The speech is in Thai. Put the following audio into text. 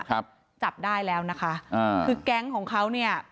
ครับจับได้แล้วนะคะอ่าคือแก๊งของเขาเนี่ย